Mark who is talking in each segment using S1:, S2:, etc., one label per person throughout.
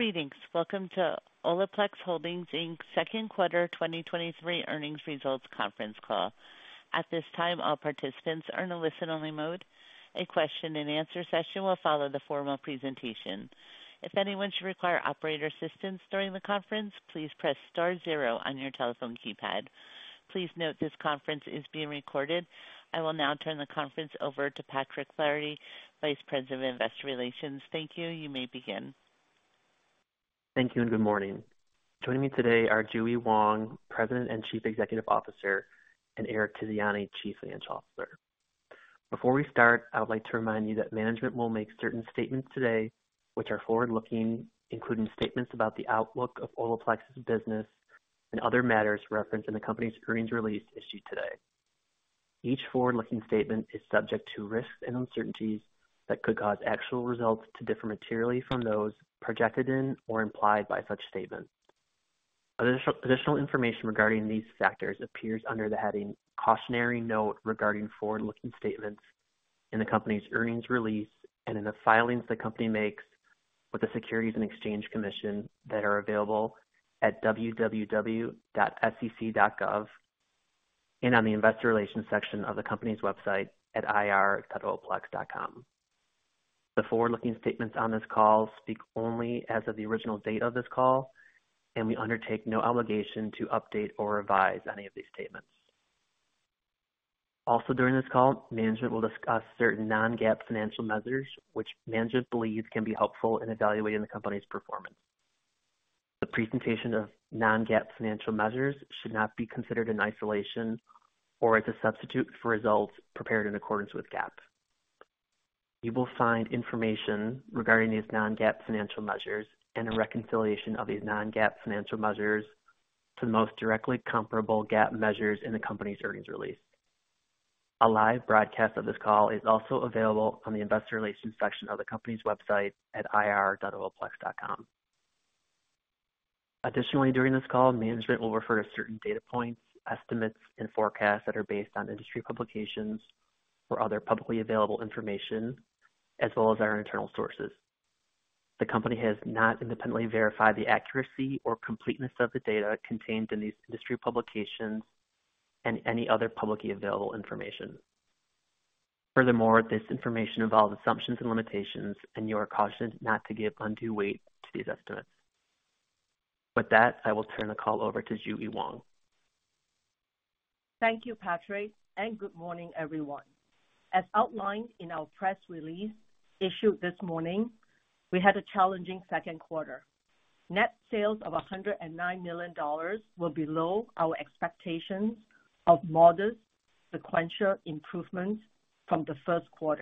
S1: Greetings. Welcome to Olaplex Holdings, Inc.'s Q2 2023 earnings results conference call. At this time, all participants are in a listen-only mode. A question-and-answer session will follow the formal presentation. If anyone should require operator assistance during the conference, please press star zero on your telephone keypad. Please note this conference is being recorded. I will now turn the conference over to Patrick Flaherty, Vice President of Investor Relations. Thank you. You may begin.
S2: Thank you, and good morning. Joining me today are Jue Wong, President and Chief Executive Officer, and Eric Tiziani, Chief Financial Officer. Before we start, I would like to remind you that management will make certain statements today which are forward-looking, including statements about the outlook of Olaplex's business and other matters referenced in the company's earnings release issued today. Additional information regarding these factors appears under the heading "Cautionary Note Regarding Forward-Looking Statements" in the company's earnings release and in the filings the company makes with the Securities and Exchange Commission that are available at www.sec.gov, and on the Investor Relations section of the company's website at ir.Olaplex.com. The forward-looking statements on this call speak only as of the original date of this call, and we undertake no obligation to update or revise any of these statements. Also, during this call, management will discuss certain non-GAAP financial measures, which management believes can be helpful in evaluating the company's performance. The presentation of non-GAAP financial measures should not be considered in isolation or as a substitute for results prepared in accordance with GAAP. You will find information regarding these non-GAAP financial measures and a reconciliation of these non-GAAP financial measures to the most directly comparable GAAP measures in the company's earnings release. A live broadcast of this call is also available on the Investor Relations section of the company's website at ir.Olaplex.com. Additionally, during this call, management will refer to certain data points, estimates, and forecasts that are based on industry publications or other publicly available information, as well as our internal sources. The company has not independently verified the accuracy or completeness of the data contained in these industry publications and any other publicly available information. Furthermore, this information involves assumptions and limitations, and you are cautioned not to give undue weight to these estimates. With that, I will turn the call over to Jue Wong.
S3: Thank you, Patrick, good morning, everyone. As outlined in our press release issued this morning, we had a challenging Q2. Net sales of $109 million were below our expectations of modest sequential improvements from the Q1,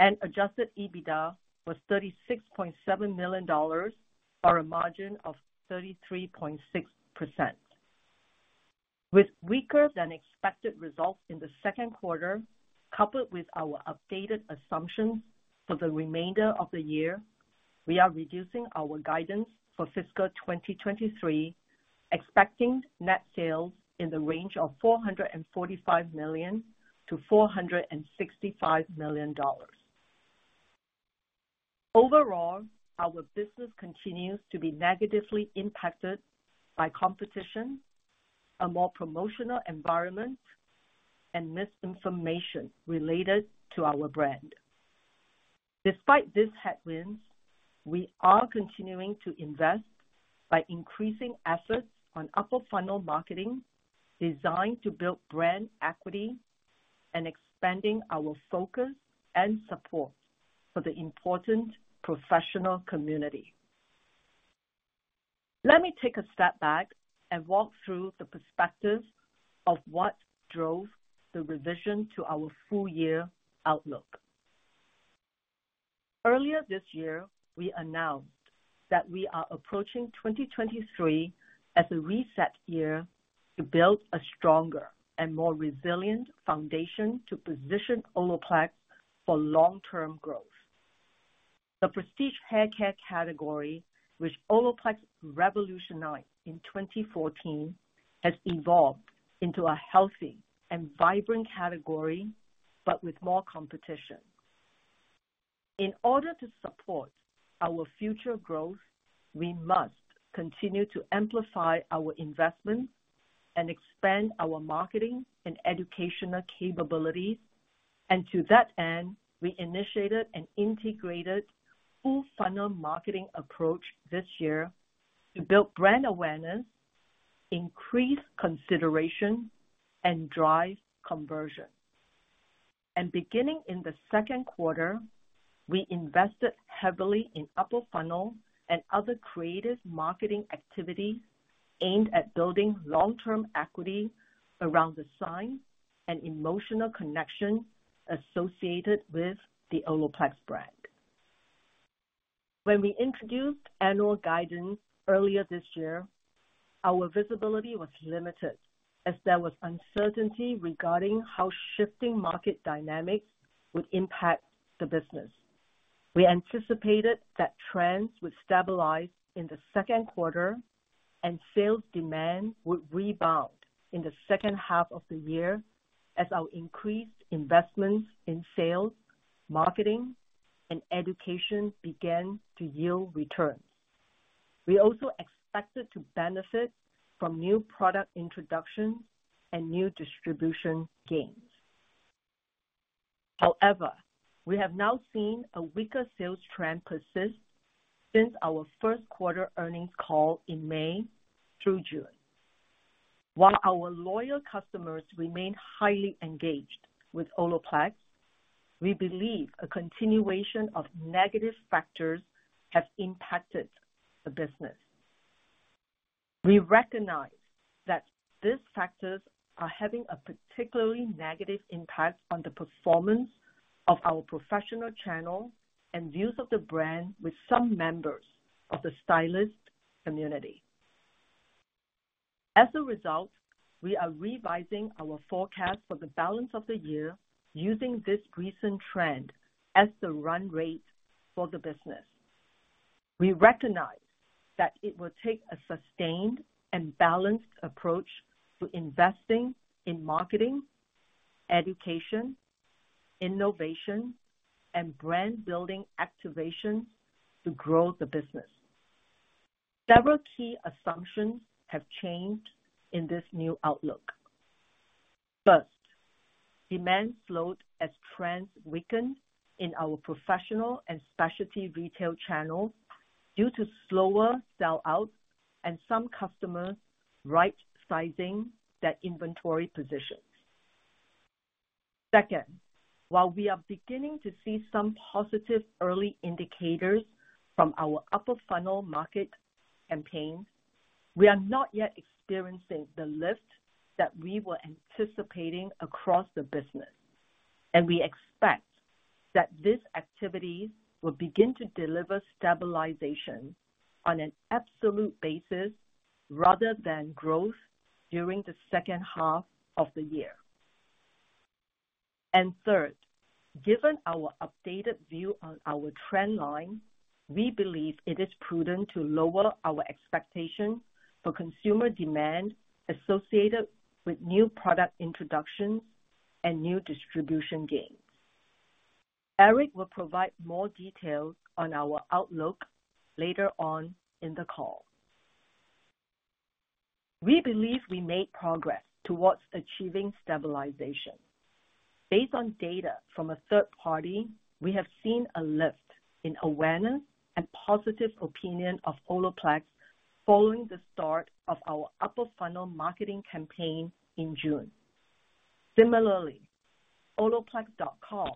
S3: and Adjusted EBITDA was $36.7 million, or a margin of 33.6%. With weaker than expected results in the Q2, coupled with our updated assumptions for the remainder of the year, we are reducing our guidance for fiscal 2023, expecting net sales in the range of $445 million-$465 million. Overall, our business continues to be negatively impacted by competition, a more promotional environment, and misinformation related to our brand. Despite these headwinds, we are continuing to invest by increasing assets on upper funnel marketing, designed to build brand equity and expanding our focus and support for the important professional community. Let me take a step back and walk through the perspectives of what drove the revision to our full year outlook. Earlier this year, we announced that we are approaching 2023 as a reset year to build a stronger and more resilient foundation to position Olaplex for long-term growth. The prestige hair care category, which Olaplex revolutionized in 2014, has evolved into a healthy and vibrant category, but with more competition. In order to support our future growth, we must continue to amplify our investments and expand our marketing and educational capabilities. To that end, we initiated an integrated full funnel marketing approach this year to build brand awareness, increase consideration, and drive conversion. Beginning in the Q2, we invested heavily in upper funnel and other creative marketing activities aimed at building long-term equity around the science and emotional connection associated with the Olaplex brand. When we introduced annual guidance earlier this year, our visibility was limited as there was uncertainty regarding how shifting market dynamics would impact the business. We anticipated that trends would stabilize in the Q2.... and sales demand would rebound in the second half of the year as our increased investments in sales, marketing, and education began to yield returns. We also expected to benefit from new product introductions and new distribution gains. However, we have now seen a weaker sales trend persist since our Q1 earnings call in May through June. While our loyal customers remain highly engaged with Olaplex, we believe a continuation of negative factors have impacted the business. We recognize that these factors are having a particularly negative impact on the performance of our professional channel and views of the brand with some members of the stylist community. As a result, we are revising our forecast for the balance of the year using this recent trend as the run rate for the business. We recognize that it will take a sustained and balanced approach to investing in marketing, education, innovation, and brand building activation to grow the business. Several key assumptions have changed in this new outlook. First, demand slowed as trends weakened in our professional and specialty retail channels due to slower sell-out and some customers right-sizing their inventory positions. Second, while we are beginning to see some positive early indicators from our upper funnel market campaign, we are not yet experiencing the lift that we were anticipating across the business, and we expect that these activities will begin to deliver stabilization on an absolute basis rather than growth during the second half of the year. Third, given our updated view on our trend line, we believe it is prudent to lower our expectation for consumer demand associated with new product introductions and new distribution gains. Eric will provide more details on our outlook later on in the call. We believe we made progress towards achieving stabilization. Based on data from a third party, we have seen a lift in awareness and positive opinion of Olaplex following the start of our upper funnel marketing campaign in June. Similarly, Olaplex.com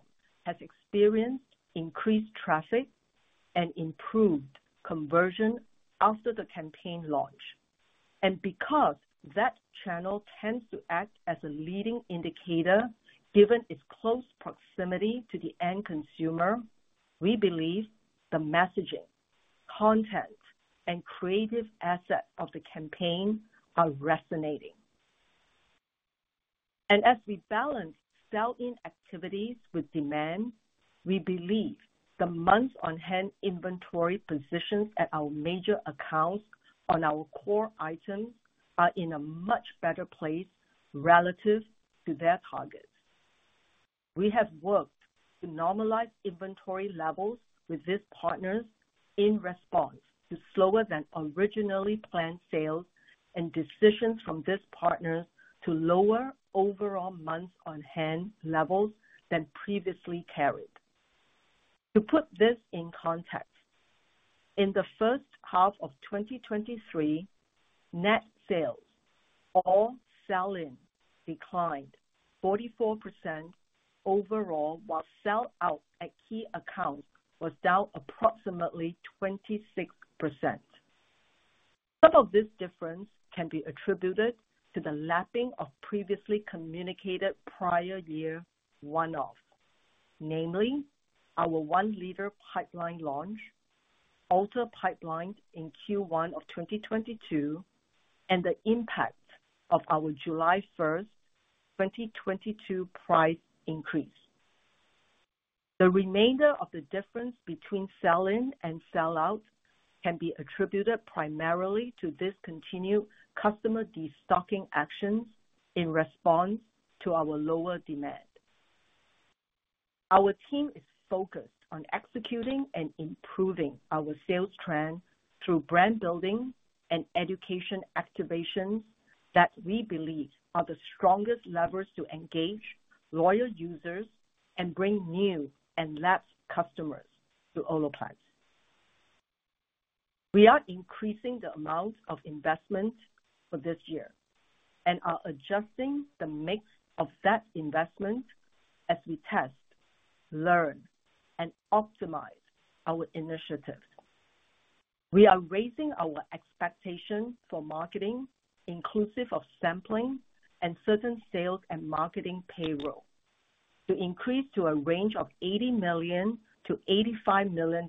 S3: has experienced increased traffic and improved conversion after the campaign launch. Because that channel tends to act as a leading indicator, given its close proximity to the end consumer, we believe the messaging, content, and creative assets of the campaign are resonating. As we balance sell-in activities with demand, we believe the months on hand inventory positions at our major accounts on our core items are in a much better place relative to their targets. We have worked to normalize inventory levels with these partners in response to slower than originally planned sales and decisions from these partners to lower overall months on hand levels than previously carried. To put this in context, in the first half of 2023, net sales, all sell-in, declined 44% overall, while sell-out at key accounts was down approximately 26%. Some of this difference can be attributed to the lapping of previously communicated prior year one-off, namely our 1 liter pipeline launch, Ulta pipeline in Q1 of 2022, and the impact of our July 1, 2022 price increase. The remainder of the difference between sell-in and sell-out can be attributed primarily to discontinued customer destocking actions in response to our lower demand. Our team is focused on executing and improving our sales trend through brand building and education activations that we believe are the strongest levers to engage loyal users and bring new and lapsed customers to Olaplex. We are increasing the amount of investment for this year and are adjusting the mix of that investment as we test, learn, and optimize our initiatives. We are raising our expectations for marketing, inclusive of sampling and certain sales and marketing payroll, to increase to a range of $80 million-$85 million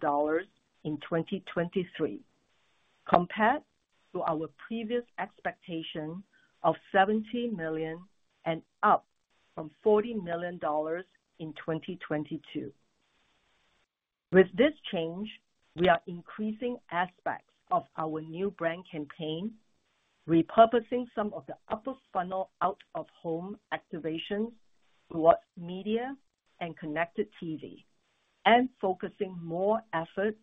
S3: in 2023, compared to our previous expectation of $17 million and up from $40 million in 2022. With this change, we are increasing aspects of our new brand campaign, repurposing some of the upper funnel out-of-home activations towards media and connected TV, and focusing more efforts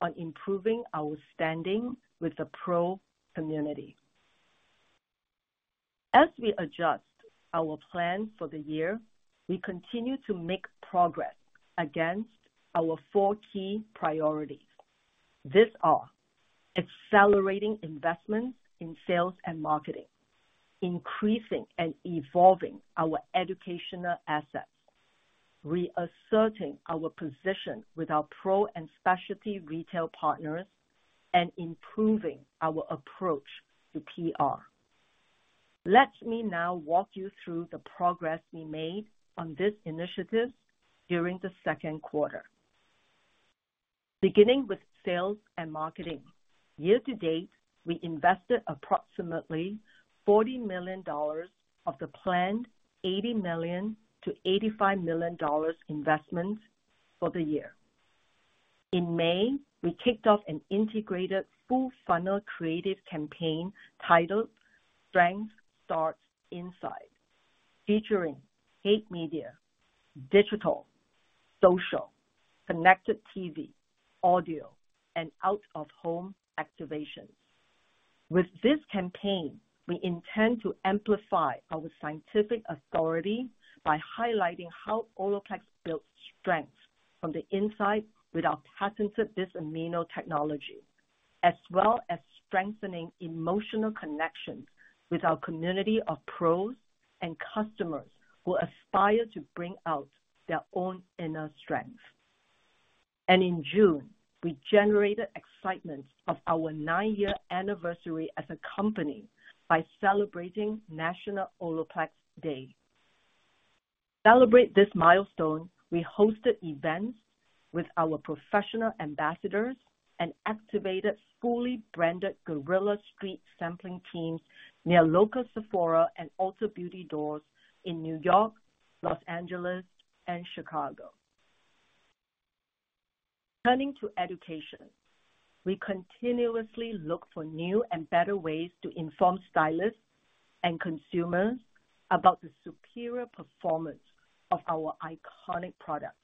S3: on improving our standing with the pro community. As we adjust our plans for the year, we continue to make progress against our four key priorities. These are: accelerating investments in sales and marketing, increasing and evolving our educational assets, reasserting our position with our pro and specialty retail partners, and improving our approach to PR. Let me now walk you through the progress we made on this initiative during the Q2. Beginning with sales and marketing, year-to-date, we invested approximately $40 million of the planned $80 million-$85 million investments for the year. In May, we kicked off an integrated, full-funnel creative campaign titled Strength Starts Inside, featuring paid media, digital, social, connected TV, audio, and out-of-home activations. With this campaign, we intend to amplify our scientific authority by highlighting how Olaplex builds strength from the inside with our patented Bis-Aminopropyl Diglycol Dimaleate technology, as well as strengthening emotional connections with our community of pros and customers who aspire to bring out their own inner strength. In June, we generated excitement of our nine-year anniversary as a company by celebrating National Olaplex Day. To celebrate this milestone, we hosted events with our professional ambassadors and activated fully branded guerrilla street sampling teams near local Sephora and Ulta Beauty doors in New York, Los Angeles, and Chicago. Turning to education, we continuously look for new and better ways to inform stylists and consumers about the superior performance of our iconic products.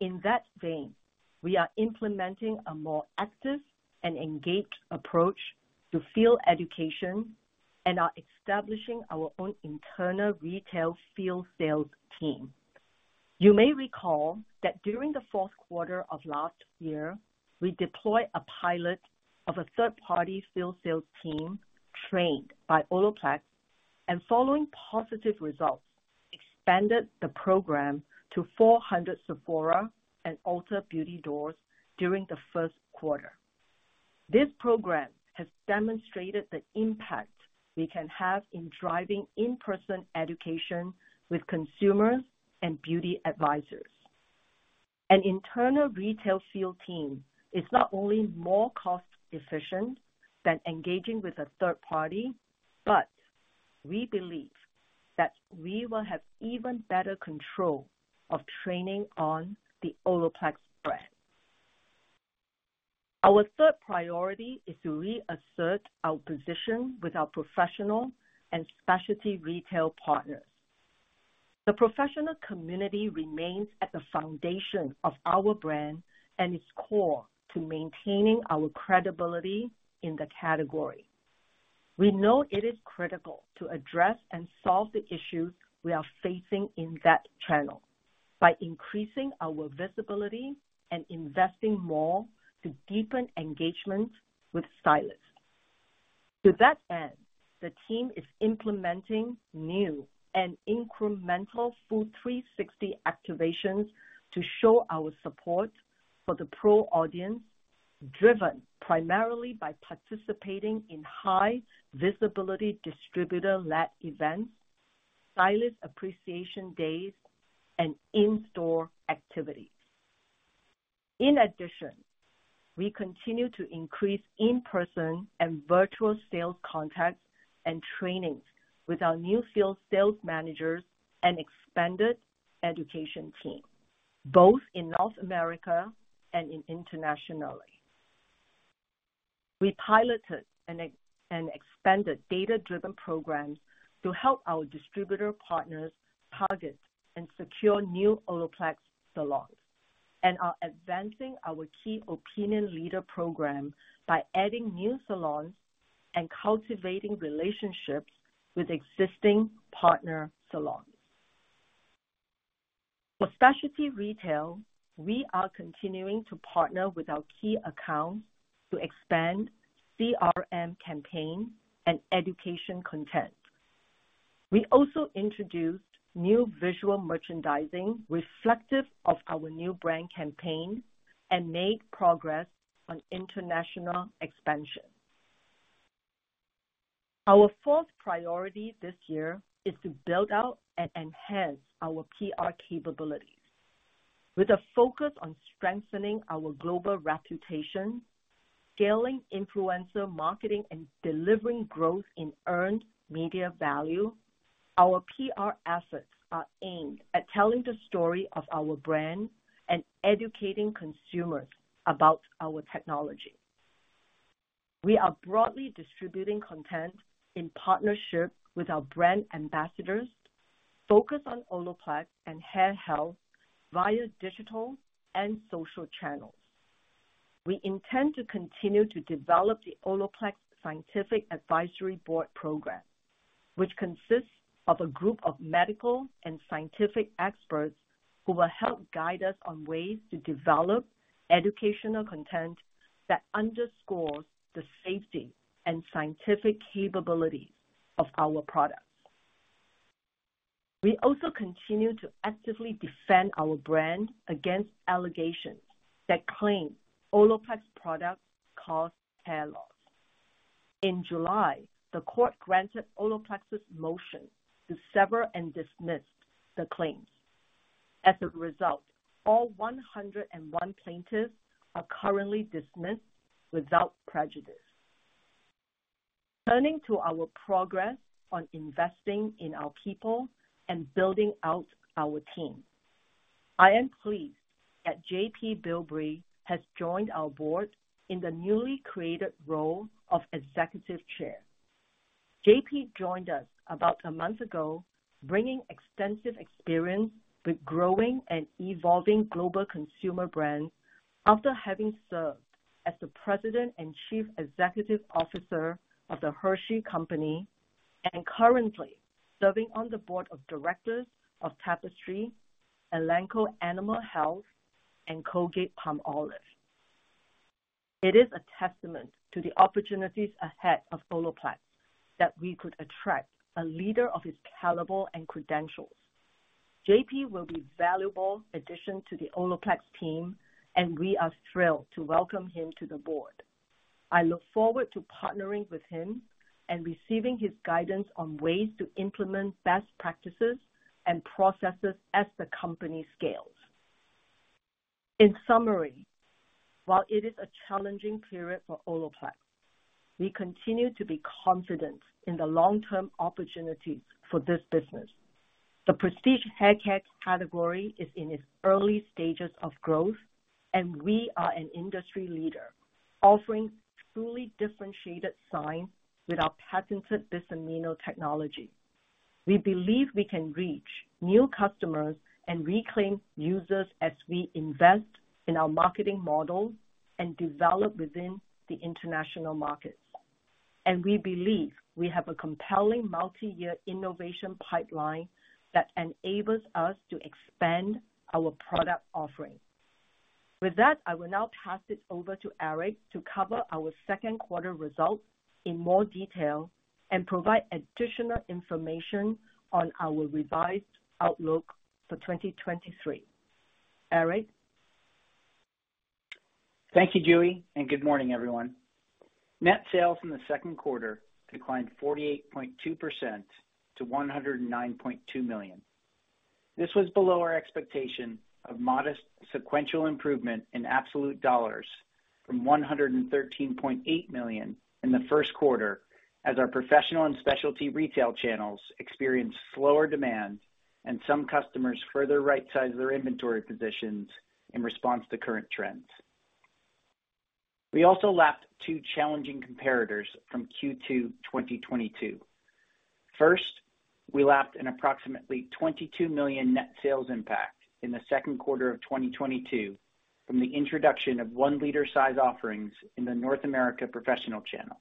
S3: In that vein, we are implementing a more active and engaged approach to field education and are establishing our own internal retail field sales team. You may recall that during the Q4 of last year, we deployed a pilot of a third-party field sales team trained by Olaplex, and following positive results, expanded the program to 400 Sephora and Ulta Beauty doors during the Q1. This program has demonstrated the impact we can have in driving in-person education with consumers and beauty advisors. An internal retail field team is not only more cost-efficient than engaging with a third party, but we believe that we will have even better control of training on the Olaplex brand. Our third priority is to reassert our position with our professional and specialty retail partners. The professional community remains at the foundation of our brand and is core to maintaining our credibility in the category. We know it is critical to address and solve the issues we are facing in that channel by increasing our visibility and investing more to deepen engagement with stylists. To that end, the team is implementing new and incremental full 360 activations to show our support for the pro audience, driven primarily by participating in high-visibility distributor-led events, stylist appreciation days, and in-store activities. In addition, we continue to increase in-person and virtual sales contacts and trainings with our new field sales managers and expanded education team, both in North America and in internationally. We piloted an expanded data-driven program to help our distributor partners target and secure new Olaplex salons, and are advancing our key opinion leader program by adding new salons and cultivating relationships with existing partner salons. For specialty retail, we are continuing to partner with our key accounts to expand CRM campaigns and education content. We also introduced new visual merchandising reflective of our new brand campaign and made progress on international expansion. Our fourth priority this year is to build out and enhance our PR capabilities with a focus on strengthening our global reputation.... scaling influencer marketing, and delivering growth in earned media value, our PR assets are aimed at telling the story of our brand and educating consumers about our technology. We are broadly distributing content in partnership with our brand ambassadors, focused on Olaplex and hair health via digital and social channels. We intend to continue to develop the Olaplex Scientific Advisory Board program, which consists of a group of medical and scientific experts who will help guide us on ways to develop educational content that underscores the safety and scientific capability of our products. We also continue to actively defend our brand against allegations that claim Olaplex products cause hair loss. In July, the court granted Olaplex's motion to sever and dismiss the claims. As a result, all 101 plaintiffs are currently dismissed without prejudice. Turning to our progress on investing in our people and building out our team, I am pleased that J.P. Bilbrey has joined our board in the newly created role of Executive Chair. J.P. joined us about a month ago, bringing extensive experience with growing and evolving global consumer brands, after having served as the President and Chief Executive Officer of The Hershey Company, and currently serving on the board of directors of Tapestry, Elanco Animal Health, and Colgate-Palmolive. It is a testament to the opportunities ahead of Olaplex that we could attract a leader of his caliber and credentials. J.P. will be valuable addition to the Olaplex team, and we are thrilled to welcome him to the board. I look forward to partnering with him and receiving his guidance on ways to implement best practices and processes as the company scales. In summary, while it is a challenging period for Olaplex, we continue to be confident in the long-term opportunities for this business. The prestige hair care category is in its early stages of growth, and we are an industry leader, offering truly differentiated science with our patented Bis-Aminopropyl technology. We believe we can reach new customers and reclaim users as we invest in our marketing models and develop within the international markets. We believe we have a compelling multi-year innovation pipeline that enables us to expand our product offering. With that, I will now pass it over to Eric to cover our Q2 results in more detail and provide additional information on our revised outlook for 2023. Eric?
S4: Thank you, Jue, and good morning, everyone. Net sales in the Q2 declined 48.2% to $109.2 million. This was below our expectation of modest sequential improvement in absolute dollars from $113.8 million in the Q1, as our professional and specialty retail channels experienced slower demand, and some customers further right-sized their inventory positions in response to current trends. We also lapped two challenging comparators from Q2 2022. First, we lapped an approximately $22 million net sales impact in the Q2 of 2022 from the introduction of one-liter size offerings in the North America professional channel.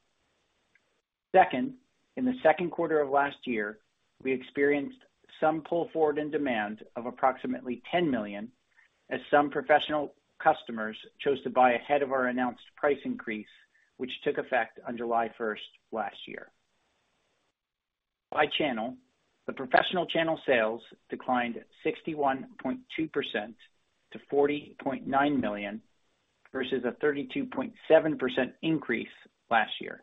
S4: Second, in the Q2 of last year, we experienced some pull forward in demand of approximately $10 million, as some professional customers chose to buy ahead of our announced price increase, which took effect on July first last year. By channel, the professional channel sales declined 61.2% to $40.9 million, versus a 32.7% increase last year.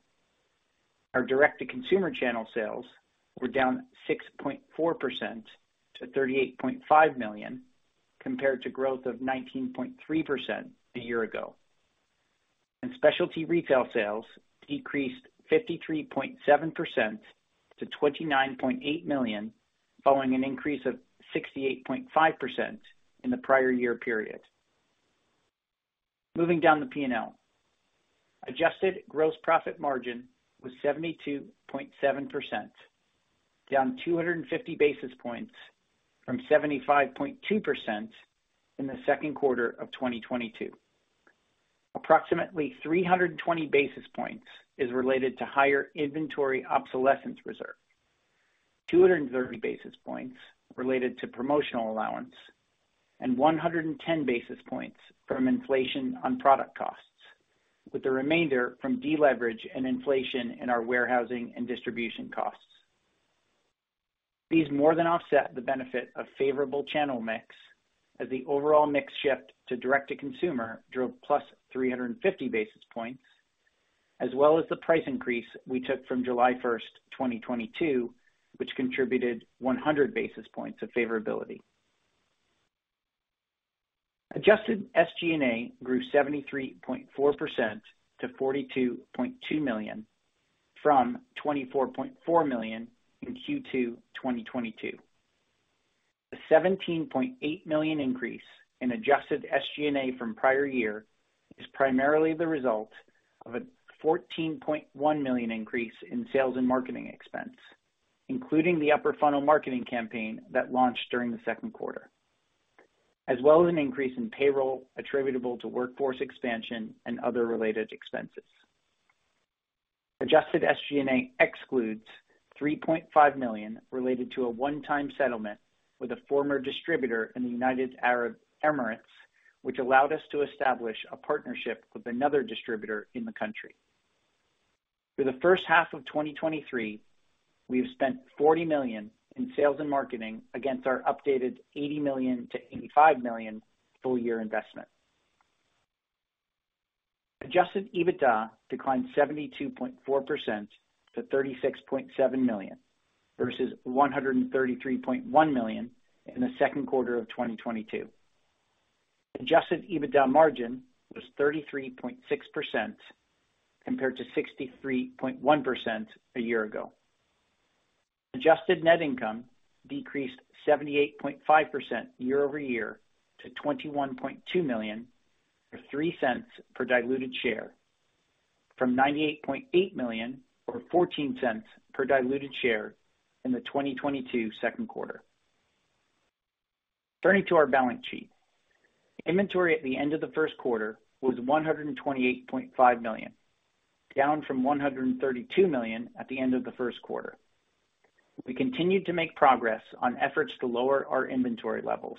S4: Our direct-to-consumer channel sales were down 6.4% to $38.5 million, compared to growth of 19.3% a year ago. Specialty retail sales decreased 53.7% to $29.8 million, following an increase of 68.5% in the prior year period. Moving down the P&L. Adjusted gross profit margin was 72.7%, down 250 basis points from 75.2% in the Q2 of 2022. Approximately 320 basis points is related to higher inventory obsolescence reserve, 230 basis points related to promotional allowance, and 110 basis points from inflation on product costs, with the remainder from deleverage and inflation in our warehousing and distribution costs. These more than offset the benefit of favorable channel mix, as the overall mix shift to direct-to-consumer drove +350 basis points, as well as the price increase we took from July 1, 2022, which contributed 100 basis points of favorability. Adjusted SG&A grew 73.4% to $42.2 million, from $24.4 million in Q2 2022. The $17.8 million increase in Adjusted SG&A from prior year is primarily the result of a $14.1 million increase in sales and marketing expense, including the upper funnel marketing campaign that launched during the Q2, as well as an increase in payroll attributable to workforce expansion and other related expenses. Adjusted SG&A excludes $3.5 million related to a one-time settlement with a former distributor in the United Arab Emirates, which allowed us to establish a partnership with another distributor in the country. For the first half of 2023, we've spent $40 million in sales and marketing against our updated $80 million-$85 million full year investment. Adjusted EBITDA declined 72.4% to $36.7 million, versus $133.1 million in the Q2 of 2022. Adjusted EBITDA margin was 33.6% compared to 63.1% a year ago. Adjusted net income decreased 78.5% year-over-year to $21.2 million, or $0.03 per diluted share, from $98.8 million or $0.14 per diluted share in the 2022 Q2. Turning to our balance sheet. Inventory at the end of the Q1 was $128.5 million, down from $132 million at the end of the Q1. We continued to make progress on efforts to lower our inventory levels,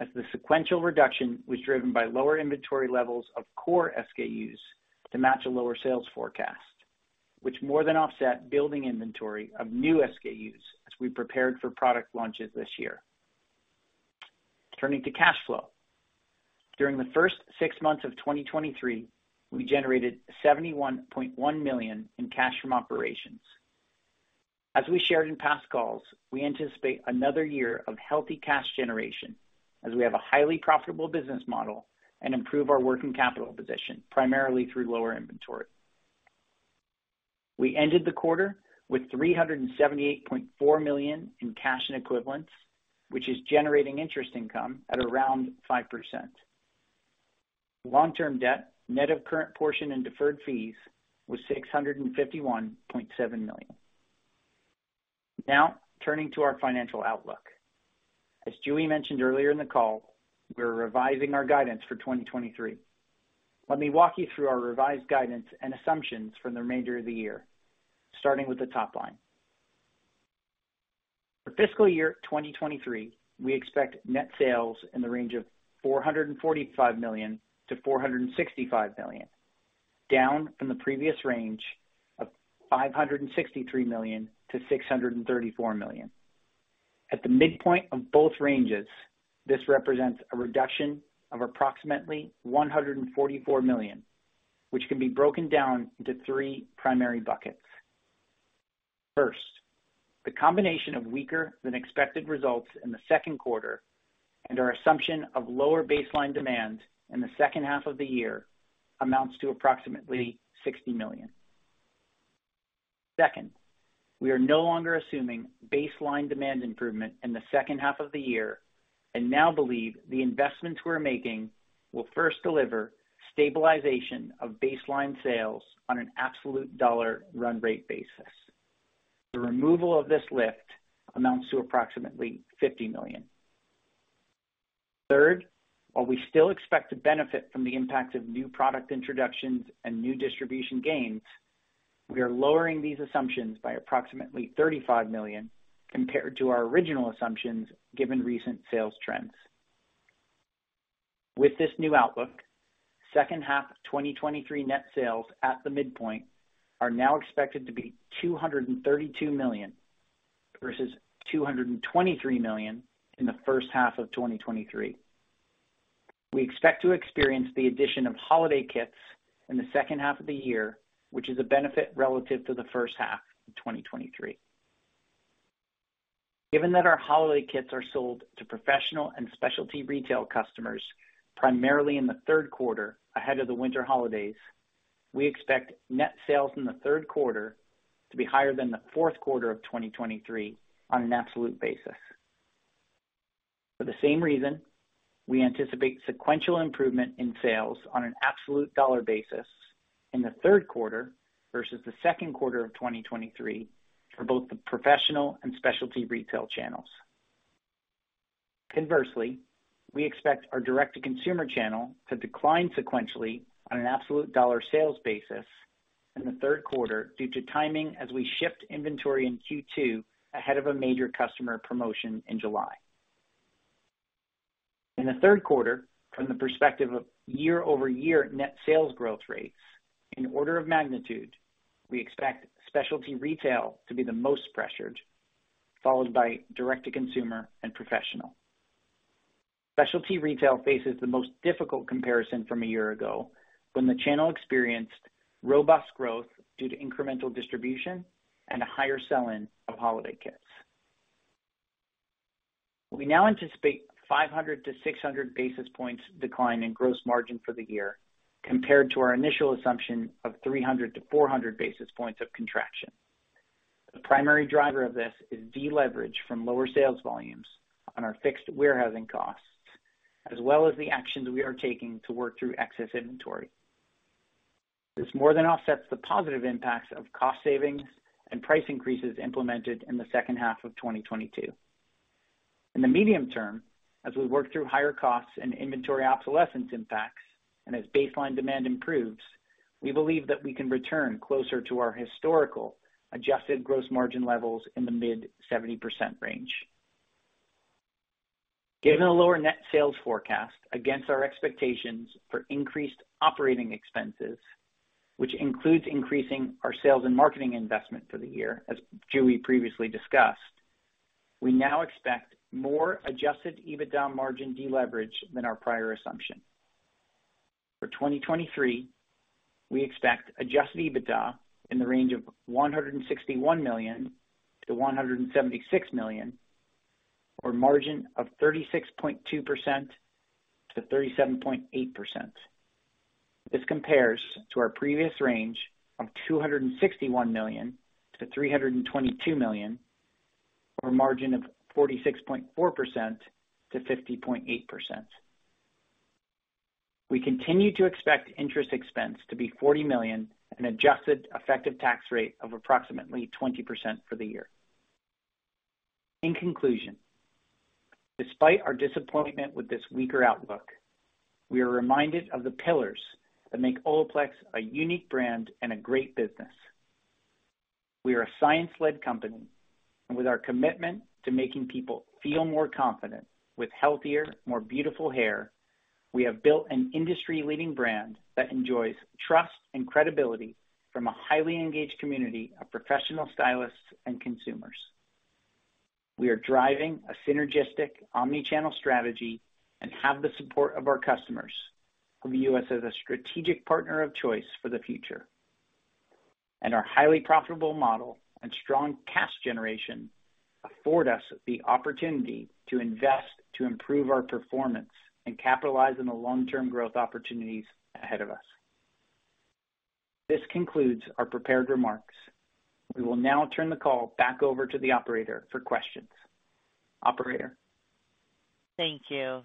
S4: as the sequential reduction was driven by lower inventory levels of core SKUs to match a lower sales forecast, which more than offset building inventory of new SKUs as we prepared for product launches this year. Turning to cash flow. During the first six months of 2023, we generated $71.1 million in cash from operations. As we shared in past calls, we anticipate another year of healthy cash generation as we have a highly profitable business model and improve our working capital position, primarily through lower inventory. We ended the quarter with $378.4 million in cash and equivalents, which is generating interest income at around 5%. Long-term debt, net of current portion and deferred fees, was $651.7 million. Turning to our financial outlook. As Jue mentioned earlier in the call, we are revising our guidance for 2023. Let me walk you through our revised guidance and assumptions for the remainder of the year, starting with the top line. For fiscal year 2023, we expect net sales in the range of $445 million-$465 million, down from the previous range of $563 million-$634 million. At the midpoint of both ranges, this represents a reduction of approximately $144 million, which can be broken down into three primary buckets. First, the combination of weaker than expected results in the Q2 and our assumption of lower baseline demand in the second half of the year amounts to approximately $60 million. Second, we are no longer assuming baseline demand improvement in the second half of the year and now believe the investments we're making will first deliver stabilization of baseline sales on an absolute dollar run rate basis. The removal of this lift amounts to approximately $50 million. Third, while we still expect to benefit from the impact of new product introductions and new distribution gains, we are lowering these assumptions by approximately $35 million compared to our original assumptions, given recent sales trends. With this new outlook, second half of 2023 net sales at the midpoint are now expected to be $232 million, versus $223 million in the first half of 2023. We expect to experience the addition of holiday kits in the second half of the year, which is a benefit relative to the first half of 2023. Given that our holiday kits are sold to professional and specialty retail customers, primarily in the Q3 ahead of the winter holidays, we expect net sales in the Q3 to be higher than the Q4 of 2023 on an absolute basis. For the same reason, we anticipate sequential improvement in sales on an absolute dollar basis in the Q3 versus the Q2 of 2023 for both the professional and specialty retail channels. Conversely, we expect our direct-to-consumer channel to decline sequentially on an absolute dollar sales basis in the Q3, due to timing as we shift inventory in Q2 ahead of a major customer promotion in July. In the Q3, from the perspective of year-over-year net sales growth rates, in order of magnitude, we expect specialty retail to be the most pressured, followed by direct-to-consumer and professional. Specialty retail faces the most difficult comparison from a year ago, when the channel experienced robust growth due to incremental distribution and a higher sell-in of holiday kits. We now anticipate 500-600 basis points decline in gross margin for the year compared to our initial assumption of 300-400 basis points of contraction. The primary driver of this is deleverage from lower sales volumes on our fixed warehousing costs, as well as the actions we are taking to work through excess inventory. This more than offsets the positive impacts of cost savings and price increases implemented in the second half of 2022. In the medium term, as we work through higher costs and inventory obsolescence impacts, and as baseline demand improves, we believe that we can return closer to our historical Adjusted gross margin levels in the mid 70% range. Given the lower net sales forecast against our expectations for increased operating expenses, which includes increasing our sales and marketing investment for the year, as Jue previously discussed, we now expect more Adjusted EBITDA margin deleverage than our prior assumption. For 2023, we expect Adjusted EBITDA in the range of $161 million-$176 million, or margin of 36.2%-37.8%. This compares to our previous range of $261 million-$322 million, or a margin of 46.4%-50.8%. We continue to expect interest expense to be $40 million and an adjusted effective tax rate of approximately 20% for the year. In conclusion, despite our disappointment with this weaker outlook, we are reminded of the pillars that make Olaplex a unique brand and a great business. We are a science-led company, and with our commitment to making people feel more confident with healthier, more beautiful hair, we have built an industry-leading brand that enjoys trust and credibility from a highly engaged community of professional stylists and consumers. We are driving a synergistic omni-channel strategy and have the support of our customers, who view us as a strategic partner of choice for the future. Our highly profitable model and strong cash generation afford us the opportunity to invest to improve our performance and capitalize on the long-term growth opportunities ahead of us. This concludes our prepared remarks. We will now turn the call back over to the operator for questions. Operator?
S1: Thank you.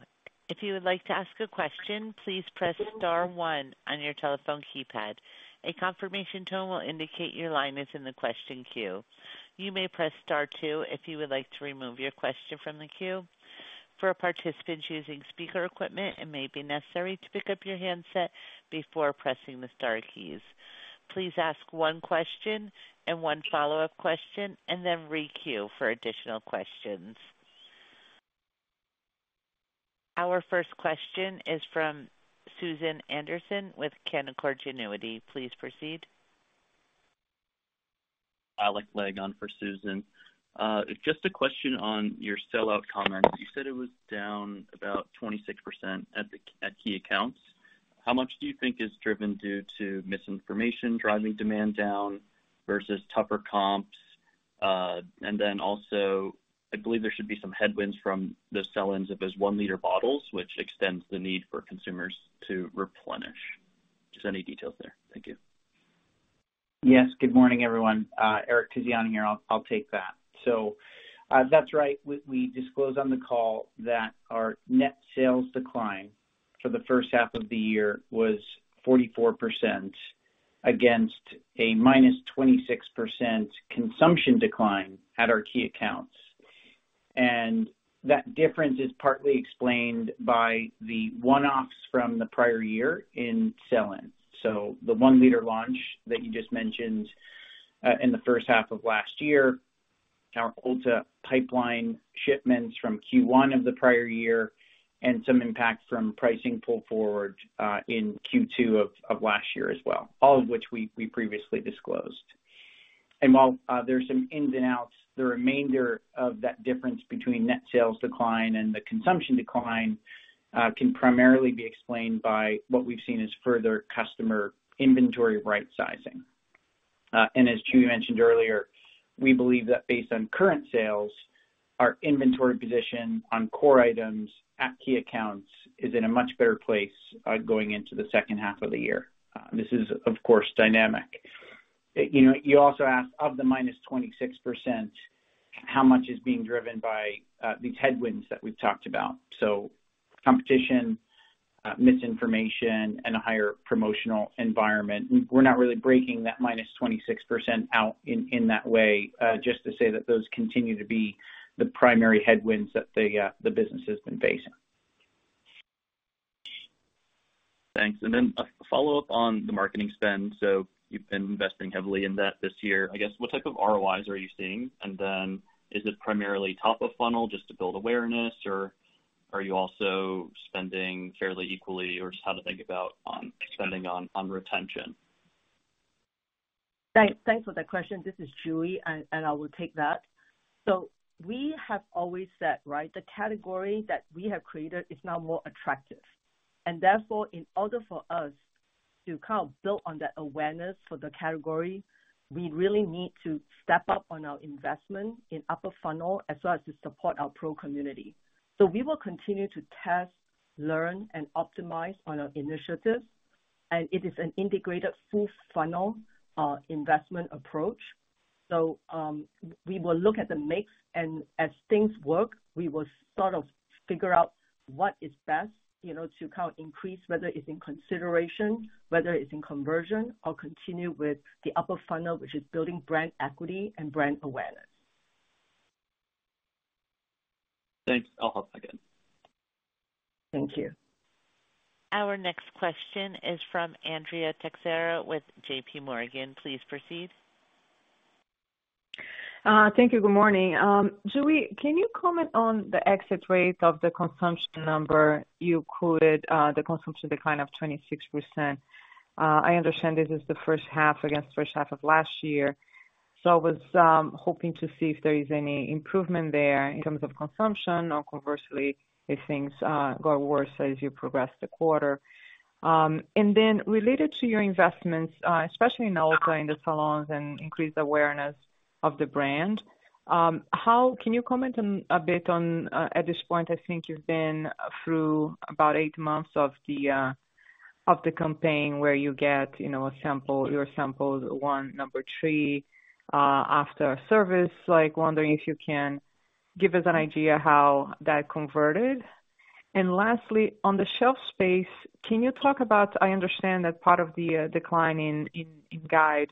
S1: If you would like to ask a question, please press star one on your telephone keypad. A confirmation tone will indicate your line is in the question queue. You may press star two if you would like to remove your question from the queue. For participants using speaker equipment, it may be necessary to pick up your handset before pressing the star keys. Please ask 1 question and 1 follow-up question, and then re-queue for additional questions. Our first question is from Susan Anderson with Canaccord Genuity. Please proceed.
S5: Alec Langan for Susan. Just a question on your sellout comments. You said it was down about 26% at key accounts. How much do you think is driven due to misinformation driving demand down versus tougher comps? Then also, I believe there should be some headwinds from the sell-ins of those 1-liter bottles, which extends the need for consumers to replenish. Just any details there? Thank you.
S4: Yes, good morning, everyone. Eric Tiziani here. I'll, I'll take that. That's right. We, we disclosed on the call that our net sales decline for the first half of the year was 44% against a minus 26% consumption decline at our key accounts. That difference is partly explained by the one-offs from the prior year in sell-ins. The one-liter launch that you just mentioned, in the first half of last year, our Ulta pipeline shipments from Q1 of the prior year, and some impact from pricing pull forward, in Q2 of last year as well, all of which we, we previously disclosed. While there are some ins and outs, the remainder of that difference between net sales decline and the consumption decline, can primarily be explained by what we've seen as further customer inventory rightsizing. As Jue mentioned earlier, we believe that based on current sales, our inventory position on core items at key accounts is in a much better place, going into the second half of the year. This is, of course, dynamic. You know, you also asked of the -26%, how much is being driven by these headwinds that we've talked about? Competition, misinformation, and a higher promotional environment. We're not really breaking that -26% out in, in that way, just to say that those continue to be the primary headwinds that the business has been facing.
S5: Thanks. A follow-up on the marketing spend. You've been investing heavily in that this year. I guess, what type of ROIs are you seeing? Is it primarily top of funnel just to build awareness, or are you also spending fairly equally? Just how to think about on spending on retention?...
S3: Thanks, thanks for that question. This is Jue, and, and I will take that. We have always said, right? The category that we have created is now more attractive, and therefore, in order for us to kind of build on that awareness for the category, we really need to step up on our investment in upper funnel, as well as to support our pro community. We will continue to test, learn, and optimize on our initiatives, and it is an integrated full funnel investment approach. We will look at the mix and as things work, we will sort of figure out what is best, you know, to kind of increase, whether it's in consideration, whether it's in conversion, or continue with the upper funnel, which is building brand equity and brand awareness.
S4: Thanks. I'll hop back in.
S3: Thank you.
S1: Our next question is from Andrea Teixeira with JPMorgan. Please proceed.
S6: Thank you. Good morning. Jue Wong, can you comment on the exit rate of the consumption number? You quoted the consumption decline of 26%. I understand this is the first half against first half of last year, so I was hoping to see if there is any improvement there in terms of consumption, or conversely, if things got worse as you progressed the quarter. Then related to your investments, especially in Olaplex, in the salons and increased awareness of the brand, how... Can you comment on, a bit on, at this point, I think you've been through about 8 months of the campaign where you get, you know, a sample, your sample one, number three, after service. Like, wondering if you can give us an idea how that converted. Lastly, on the shelf space, can you talk about... I understand that part of the decline in, in, in guide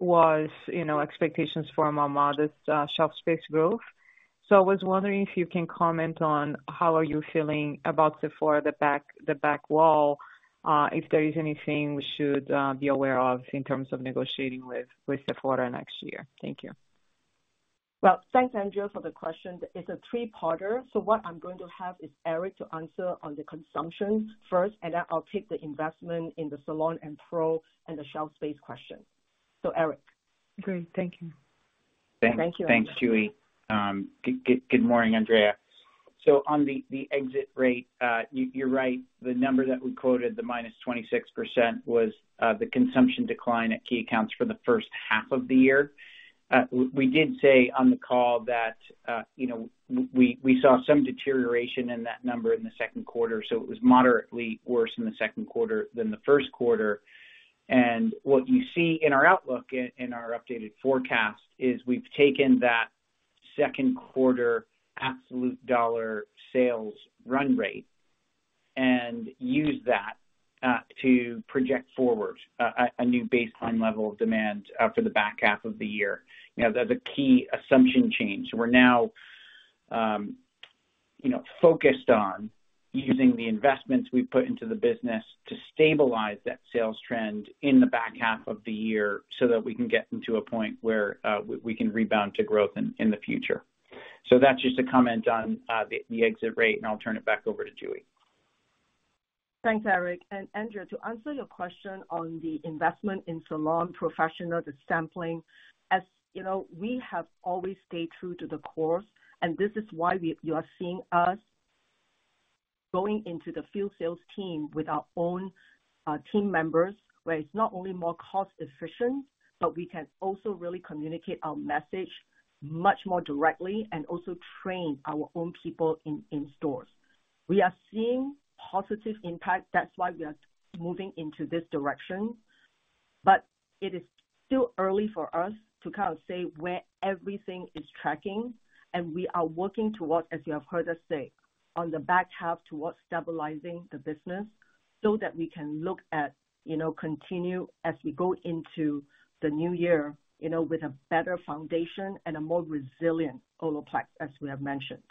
S6: was, you know, expectations for a more modest shelf space growth. I was wondering if you can comment on how are you feeling about Sephora, the back, the back wall, if there is anything we should be aware of in terms of negotiating with, with Sephora next year? Thank you.
S3: Well, thanks, Andrea, for the question. It's a 3-parter, so what I'm going to have is Eric to answer on the consumption first, and then I'll take the investment in the salon and pro and the shelf space question. Eric?
S6: Great. Thank you.
S3: Thank you.
S4: Thanks. Thanks, Jue. Good morning, Andrea Teixeira. On the exit rate, you, you're right, the number that we quoted, the -26%, was the consumption decline at key accounts for the first half of the year. We did say on the call that, you know, we saw some deterioration in that number in the Q2, so it was moderately worse in the Q2 than the Q1. What you see in our outlook, in our updated forecast, is we've taken that Q2 absolute dollar sales run rate and used that to project forward a new baseline level of demand for the back half of the year. You know, the key assumption change. We're now, you know, focused on using the investments we've put into the business to stabilize that sales trend in the back half of the year so that we can get them to a point where we can rebound to growth in, in the future. That's just a comment on the, the exit rate, and I'll turn it back over to Jue.
S3: Thanks, Eric. Andrea, to answer your question on the investment in salon professional, the sampling, as you know, you are seeing us going into the field sales team with our own team members, where it's not only more cost efficient, but we can also really communicate our message much more directly and also train our own people in, in stores. We are seeing positive impact. That's why we are moving into this direction. It is still early for us to kind of say where everything is tracking, and we are working towards, as you have heard us say, on the back half, towards stabilizing the business so that we can look at, you know, continue as we go into the new year, you know, with a better foundation and a more resilient Olaplex, as we have mentioned.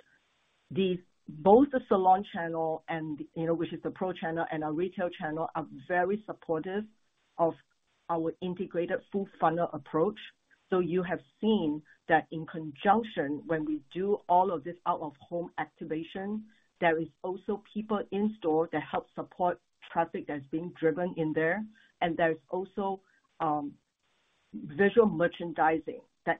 S3: These, both the salon channel and, you know, which is the pro channel, and our retail channel, are very supportive of our integrated full funnel approach. You have seen that in conjunction, when we do all of this out-of-home activation, there is also people in store that help support traffic that's being driven in there. There's also visual merchandising that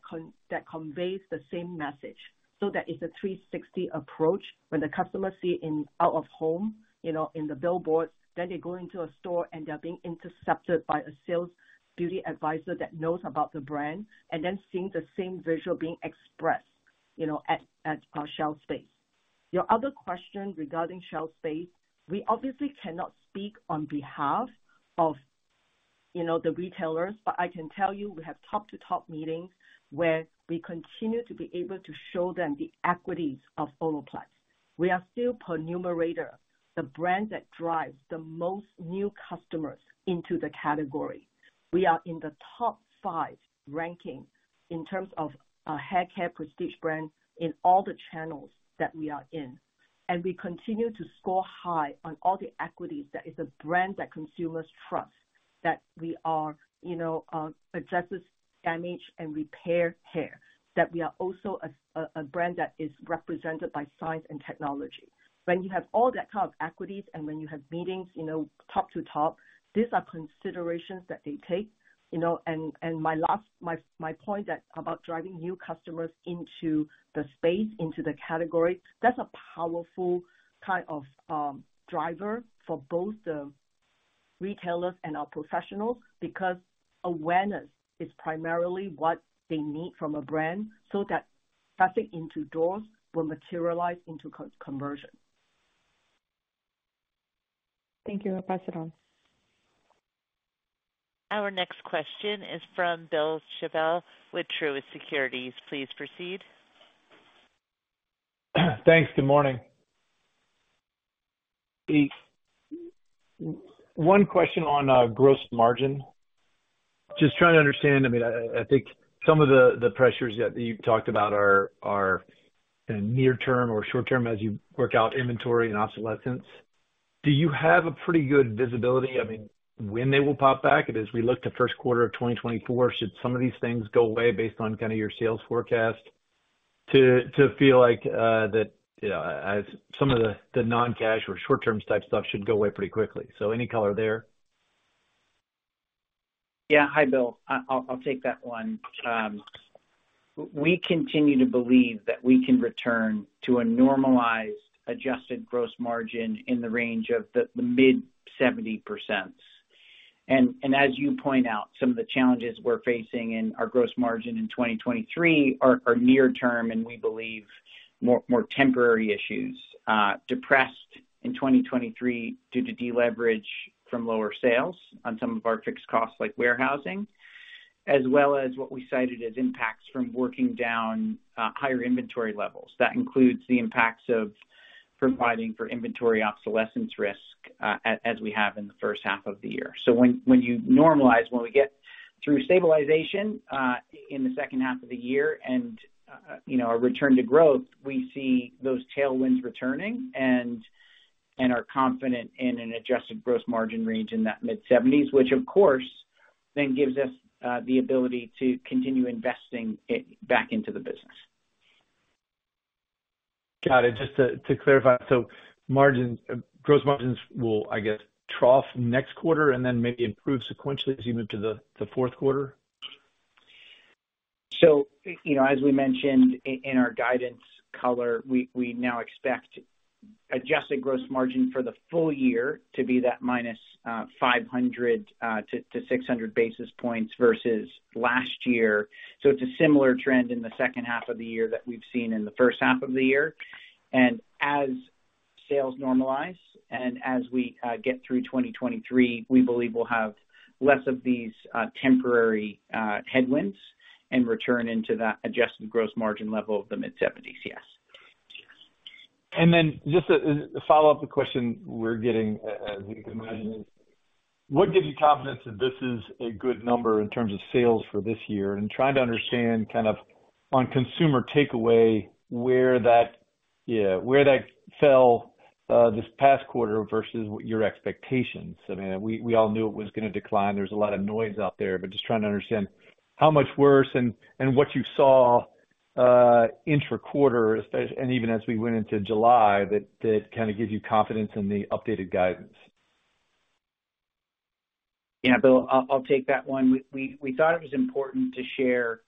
S3: conveys the same message. That is a 360 approach when the customer see in, out of home, you know, in the billboard, then they go into a store and they are being intercepted by a sales beauty advisor that knows about the brand, and then seeing the same visual being expressed, you know, at our shelf space. Your other question regarding shelf space, we obviously cannot speak on behalf of, you know, the retailers, but I can tell you, we have top-to-top meetings, where we continue to be able to show them the equities of Olaplex. We are still per Numerator, the brand that drives the most new customers into the category. We are in the top 5 ranking in terms of hair care prestige brand in all the channels that we are in. We continue to score high on all the equities, that is a brand that consumers trust, that we are, you know, addresses damage and repair hair, that we are also a, a, a brand that is represented by science and technology. When you have all that kind of equities and when you have meetings, you know, top to top, these are considerations that they take, you know? My point that about driving new customers into the space, into the category, that's a powerful kind of driver for both the retailers and our professionals, because awareness is primarily what they need from a brand so that traffic into doors will materialize into conversion.
S4: Thank you. I'll pass it on.
S1: Our next question is from Bill Chappell with Truist Securities. Please proceed.
S7: Thanks. Good morning. One question on gross margin. Just trying to understand, I mean, I think some of the pressures that you've talked about are in near term or short term as you work out inventory and obsolescence. Do you have a pretty good visibility, I mean, when they will pop back? As we look to Q1 of 2024, should some of these things go away based on kind of your sales forecast to feel like that as some of the non-cash or short-term type stuff should go away pretty quickly? Any color there?
S4: Yeah. Hi, Bill. I'll take that one. We continue to believe that we can return to a normalized adjusted gross margin in the range of the mid 70%. As you point out, some of the challenges we're facing in our gross margin in 2023 are near term, and we believe more temporary issues, depressed in 2023 due to deleverage from lower sales on some of our fixed costs, like warehousing, as well as what we cited as impacts from working down higher inventory levels. That includes the impacts of providing for inventory obsolescence risk, as we have in the first half of the year. When, when you normalize, when we get through stabilization, in the second half of the year and, you know, a return to growth, we see those tailwinds returning and, and are confident in an adjusted gross margin range in that mid-70s%, which, of course, then gives us the ability to continue investing back into the business.
S7: Got it. Just to clarify, margins, gross margins will, I guess, trough next quarter and then maybe improve sequentially as you move to the Q4?
S4: You know, as we mentioned in our guidance color, we now expect Adjusted gross margin for the full year to be that minus 500 to 600 basis points versus last year. It's a similar trend in the second half of the year that we've seen in the first half of the year. As sales normalize and as we get through 2023, we believe we'll have less of these temporary headwinds and return into that Adjusted gross margin level of the mid-70s. Yes.
S7: Then just a, a follow-up question we're getting, as you can imagine is: What gives you confidence that this is a good number in terms of sales for this year? Trying to understand kind of on consumer takeaway, where that, yeah, where that fell, this past quarter versus what your expectations. I mean, we, we all knew it was gonna decline. There's a lot of noise out there, but just trying to understand how much worse and, and what you saw, intra-quarter, and even as we went into July, that, that kind of gives you confidence in the updated guidance.
S4: Yeah, Bill, I'll, I'll take that one. We, we, we thought it was important to share,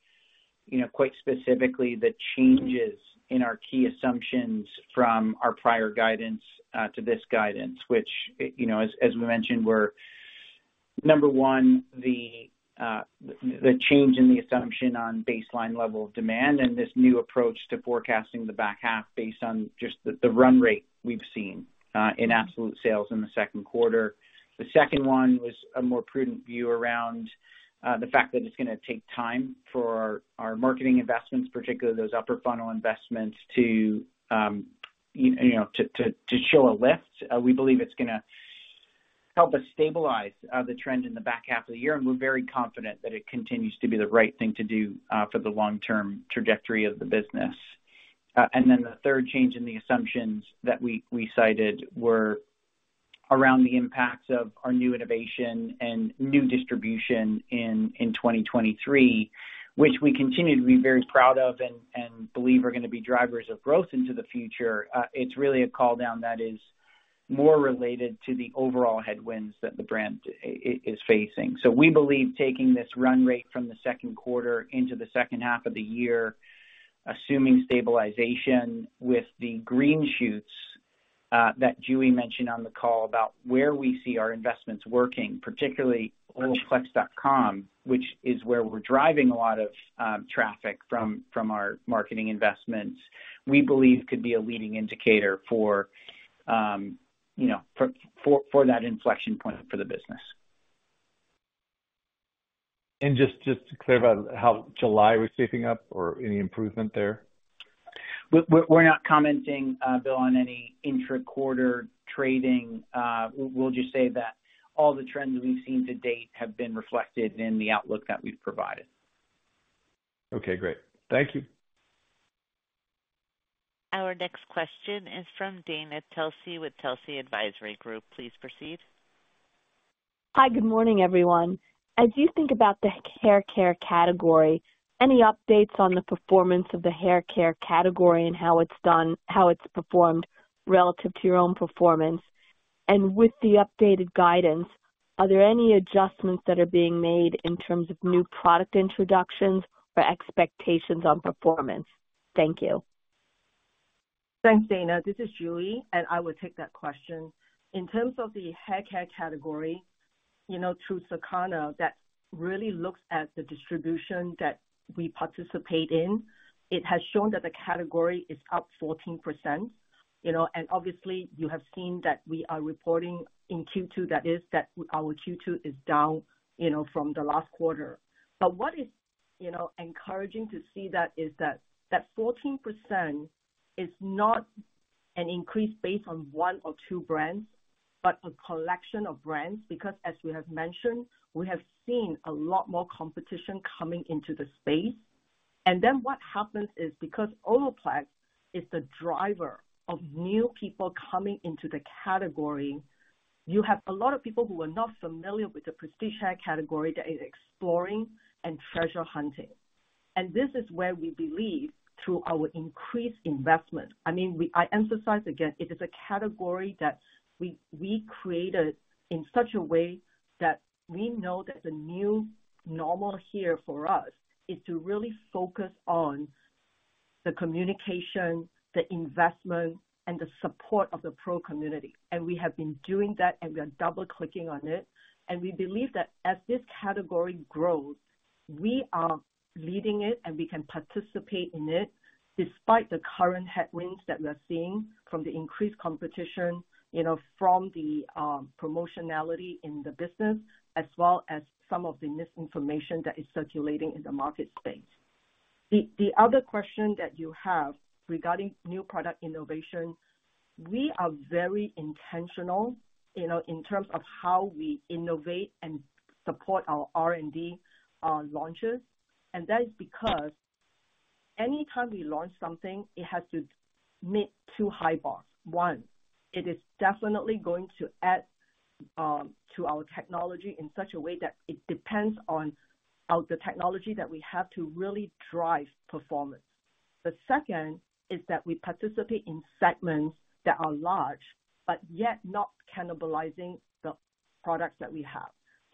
S4: you know, quite specifically, the changes in our key assumptions from our prior guidance to this guidance, which, you know, as, as we mentioned, were, number 1, the change in the assumption on baseline level of demand and this new approach to forecasting the back half based on just the, the run rate we've seen in absolute sales in the 2nd quarter. The 2nd one was a more prudent view around the fact that it's gonna take time for our marketing investments, particularly those upper funnel investments, to, you know, to, to, to show a lift. We believe it's gonna help us stabilize the trend in the back half of the year, and we're very confident that it continues to be the right thing to do for the long-term trajectory of the business. The third change in the assumptions that we cited were around the impacts of our new innovation and new distribution in 2023, which we continue to be very proud of and believe are gonna be drivers of growth into the future. It's really a call down that is more related to the overall headwinds that the brand is facing. We believe taking this run rate from the Q2 into the second half of the year, assuming stabilization with the green shoots, that Jue mentioned on the call about where we see our investments working, particularly Olaplex.com, which is where we're driving a lot of traffic from, from our marketing investments, we believe could be a leading indicator for, you know, for that inflection point for the business.
S7: Just, just to clarify, how July was shaping up or any improvement there?
S4: We're not commenting, Bill, on any intra-quarter trading. We'll just say that all the trends we've seen to date have been reflected in the outlook that we've provided.
S7: Okay, great. Thank you.
S1: Our next question is from Dana Telsey with Telsey Advisory Group. Please proceed.
S8: Hi, good morning, everyone. As you think about the hair care category, any updates on the performance of the hair care category and how it's done, how it's performed relative to your own performance? With the updated guidance, are there any adjustments that are being made in terms of new product introductions or expectations on performance? Thank you.
S3: Thanks, Dana. This is Jue, and I will take that question. In terms of the hair care category, you know, through Circana, that really looks at the distribution that we participate in. It has shown that the category is up 14%, you know, and obviously you have seen that we are reporting in Q2, that is, that our Q2 is down, you know, from the last quarter. What is, you know, encouraging to see that is that, that 14% is not an increase based on one or two brands, but a collection of brands, because as we have mentioned, we have seen a lot more competition coming into the space. Then what happens is, because Olaplex is the driver of new people coming into the category, you have a lot of people who are not familiar with the prestige hair category that is exploring and treasure hunting. This is where we believe, through our increased investment, I mean, we, I emphasize again, it is a category that we, we created in such a way that we know that the new normal here for us is to really focus on the communication, the investment, and the support of the pro community. We have been doing that, and we are double-clicking on it. We believe that as this category grows, we are leading it, and we can participate in it, despite the current headwinds that we're seeing from the increased competition, you know, from the promotionality in the business, as well as some of the misinformation that is circulating in the market space. The other question that you have regarding new product innovation, we are very intentional, you know, in terms of how we innovate and support our R&D launches. That is because anytime we launch something, it has to meet two high bars. One, it is definitely going to add to our technology in such a way that it depends on the technology that we have to really drive performance. The second is that we participate in segments that are large, but yet not cannibalizing the products that we have.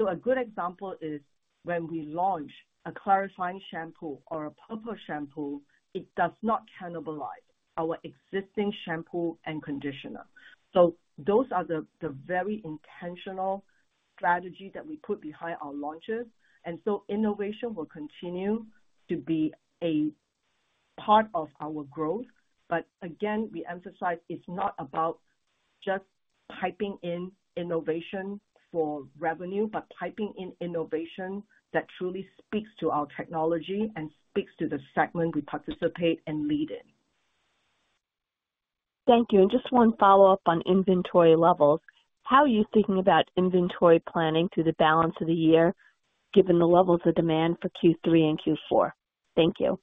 S3: A good example is when we launch a clarifying shampoo or a purple shampoo, it does not cannibalize our existing shampoo and conditioner. Those are the very intentional strategy that we put behind our launches. Innovation will continue to be a part of our growth. Again, we emphasize it's not about just piping in innovation for revenue, but piping in innovation that truly speaks to our technology and speaks to the segment we participate and lead in.
S8: Thank you. Just 1 follow-up on inventory levels. How are you thinking about inventory planning through the balance of the year, given the levels of demand for Q3 and Q4? Thank you.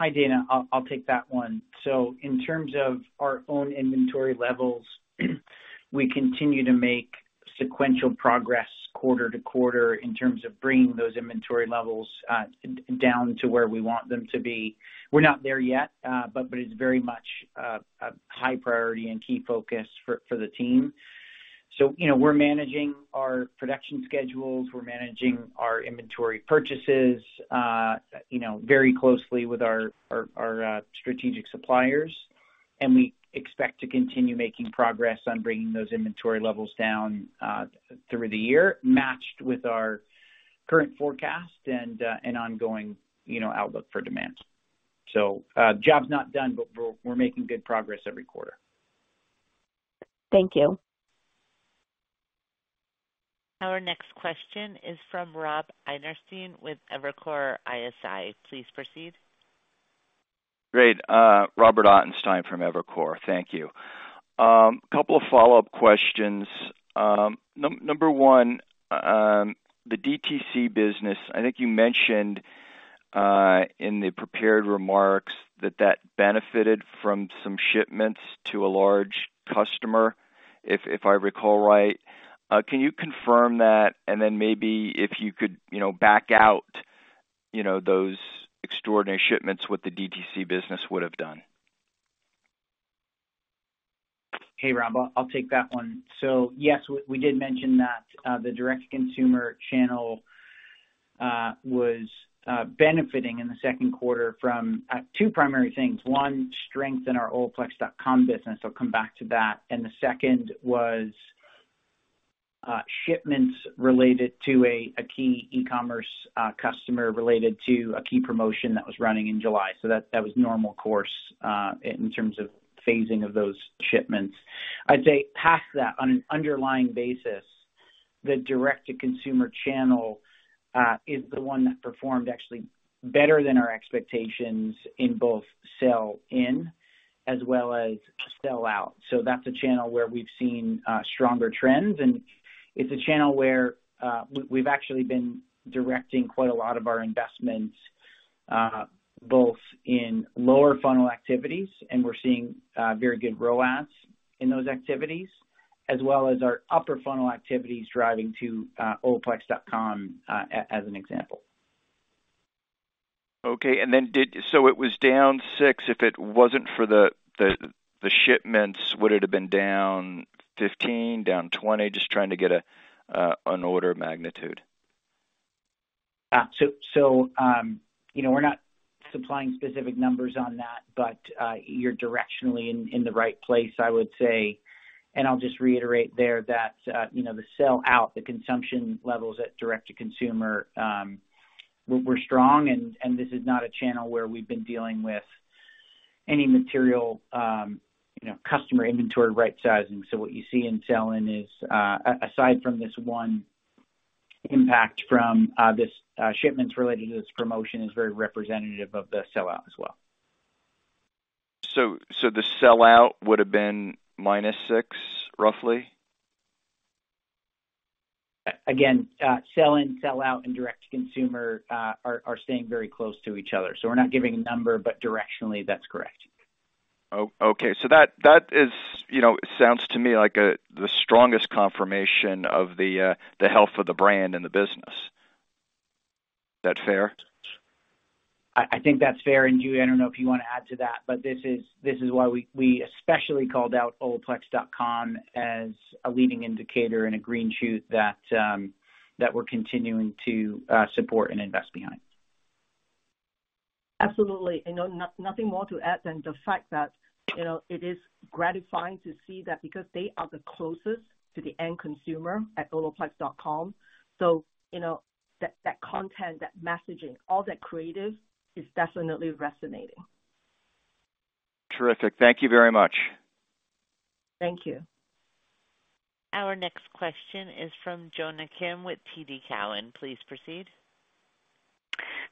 S4: Hi, Dana. I'll, I'll take that one. In terms of our own inventory levels, we continue to make sequential progress quarter to quarter in terms of bringing those inventory levels down to where we want them to be. We're not there yet, but, but it's very much a high priority and key focus for, for the team. We're managing our production schedules, we're managing our inventory purchases, you know, very closely with our, our, our strategic suppliers, and we expect to continue making progress on bringing those inventory levels down through the year, matched with our current forecast and ongoing, you know, outlook for demand. Job's not done, but we're, we're making good progress every quarter.
S8: Thank you.
S1: Our next question is from Robert Ottenstein with Evercore ISI. Please proceed.
S9: Great. Robert Ottenstein from Evercore. Thank you. Couple of follow-up questions. Number one, the DTC business, I think you mentioned in the prepared remarks that that benefited from some shipments to a large customer, if, if I recall right. Can you confirm that? Then maybe if you could, you know, back out, you know, those extraordinary shipments, what the DTC business would have done.
S4: Hey, Rob, I'll, I'll take that one. Yes, we, we did mention that the direct-to-consumer channel was benefiting in the Q2 from two primary things. One, strength in our Olaplex.com business. I'll come back to that. The second was shipments related to a, a key e-commerce customer related to a key promotion that was running in July. That, that was normal course in terms of phasing of those shipments. I'd say past that, on an underlying basis, the direct-to-consumer channel is the one that performed actually better than our expectations in both sell in-... as well as sell out. That's a channel where we've seen stronger trends, and it's a channel where we've actually been directing quite a lot of our investments, both in lower funnel activities, and we're seeing very good ROAS in those activities, as well as our upper funnel activities driving to Olaplex.com as an example.
S9: Okay, it was down 6. If it wasn't for the, the, the shipments, would it have been down 15, down 20? Just trying to get an order of magnitude.
S4: So, so, you know, we're not supplying specific numbers on that, but you're directionally in, in the right place, I would say. I'll just reiterate there that, you know, the sell out, the consumption levels at direct-to-consumer, were, were strong, and this is not a channel where we've been dealing with any material, you know, customer inventory rightsizing. What you see in sell-in is, aside from this one impact from, this, shipments related to this promotion, is very representative of the sellout as well.
S9: The sellout would have been minus 6, roughly?
S4: Again, sell-in, sell-out and direct-to-consumer, are, are staying very close to each other, so we're not giving a number, but directionally that's correct.
S9: Oh, okay. That, that is, you know, sounds to me like a, the strongest confirmation of the health of the brand and the business. Is that fair?
S4: I, I think that's fair. Jue, I don't know if you want to add to that, but this is, this is why we, we especially called out Olaplex.com as a leading indicator and a green shoot that we're continuing to support and invest behind.
S3: Absolutely. You know, nothing more to add than the fact that, you know, it is gratifying to see that because they are the closest to the end consumer at Olaplex.com. That, that content, that messaging, all that creative is definitely resonating.
S9: Terrific. Thank you very much.
S3: Thank you.
S1: Our next question is from Jonna Kim with TD Cowen. Please proceed.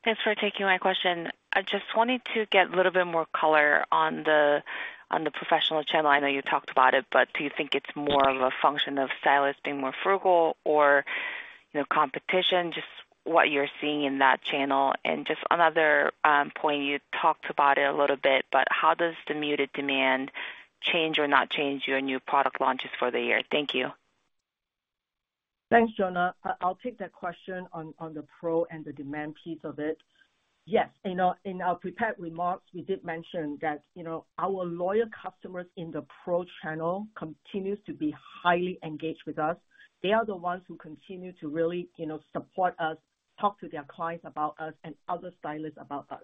S10: Thanks for taking my question. I just wanted to get a little bit more color on the, on the professional channel. I know you talked about it, but do you think it's more of a function of stylists being more frugal or, you know, competition? Just what you're seeing in that channel. Just another point, you talked about it a little bit, but how does the muted demand change or not change your new product launches for the year? Thank you.
S3: Thanks, Jonna. I'll take that question on, on the pro and the demand piece of it. Yes, in our, in our prepared remarks, we did mention that, you know, our loyal customers in the pro channel continues to be highly engaged with us. They are the ones who continue to really, you know, support us, talk to their clients about us and other stylists about us.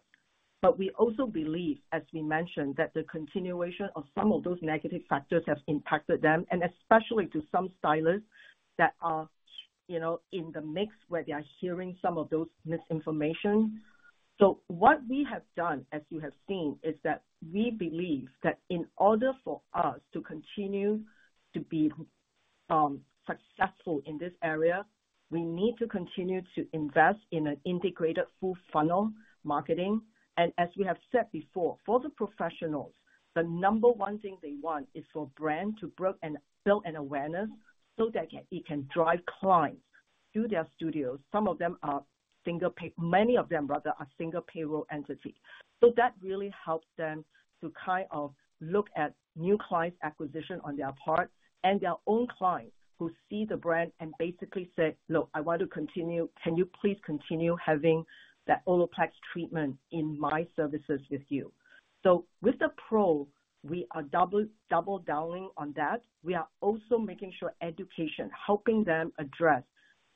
S3: We also believe, as we mentioned, that the continuation of some of those negative factors have impacted them, and especially to some stylists that are, you know, in the mix, where they are hearing some of those misinformation. What we have done, as you have seen, is that we believe that in order for us to continue to be successful in this area, we need to continue to invest in an integrated, full funnel marketing. As we have said before, for the professionals, the number one thing they want is for brand to build an awareness so that it can drive clients to their studios. Some of them are single pay. Many of them, rather, are single payroll entity. That really helps them to kind of look at new client acquisition on their part and their own clients, who see the brand and basically say: "Look, I want to continue. Can you please continue having that Olaplex treatment in my services with you?" With the pro, we are double, double downing on that. We are also making sure education, helping them address,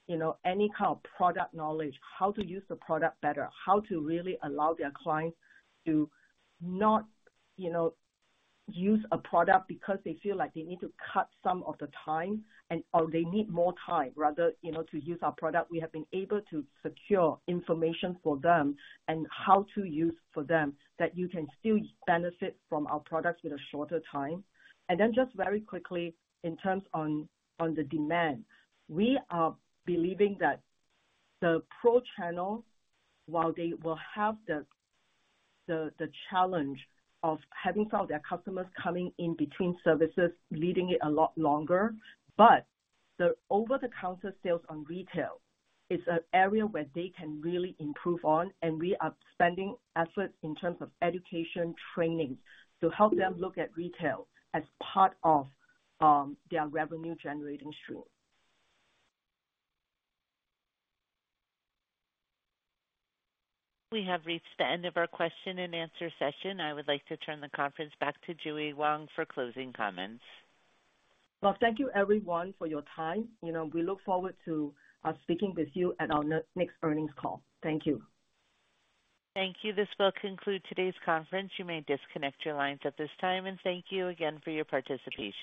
S3: you know, any kind of product knowledge, how to use the product better, how to really allow their clients to not, you know, use a product because they feel like they need to cut some of the time and, or they need more time, rather, you know, to use our product. We have been able to secure information for them and how to use for them, that you can still benefit from our products with a shorter time. Then just very quickly, in terms on, on the demand, we are believing that the pro channel, while they will have the, the, the challenge of having some of their customers coming in between services, leaving it a lot longer. The over-the-counter sales on retail is an area where they can really improve on, and we are spending efforts in terms of education training, to help them look at retail as part of their revenue generating stream.
S1: We have reached the end of our question-and-answer session. I would like to turn the conference back to Jue Wong for closing comments.
S3: Well, thank you everyone for your time. You know, we look forward to speaking with you at our next earnings call. Thank you.
S1: Thank you. This will conclude today's conference. You may disconnect your lines at this time, and thank you again for your participation.